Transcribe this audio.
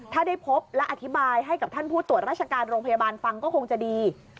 ถ้าได้พบและอธิบายให้กับท่านผู้ตรวจราชการโรงพยาบาลฟังก็คงจะดี